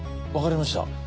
わかりました。